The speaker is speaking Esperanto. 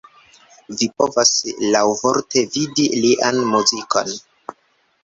Vi povas laŭvorte vidi lian muzikon.